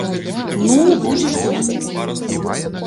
Ну, будзеш дома цяпер.